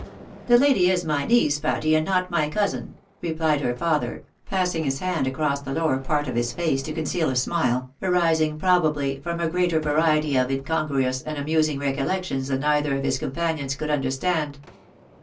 " The lady is my niece, Patty, and not my cousin," repHed her fa ther, passing his hand across the lower port of his face to conce al a smile, arising probably from a greater variety of incon gruous and amusing recollections than either of his com panio ns could understand.